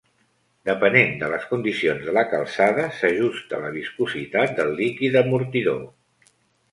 Depenent de les condicions de la calçada, s'ajusta la viscositat del líquid amortidor.